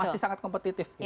masih sangat kompetitif